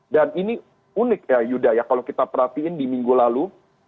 dan ini unik ya yuda ya kalau kita perhatiin di minggu lalu